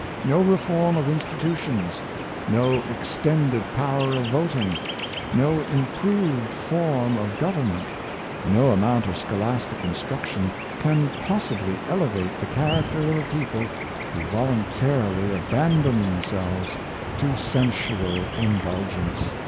No reform of institutions, no extended power of voting, no improved form of government, no amount of scholastic instruc tion, can possibly elevate the character of a people who voluntarily abandon themselves to sensual indulgence.